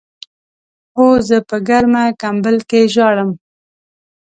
اوس زه په ګرمه کمبل کې ژاړم.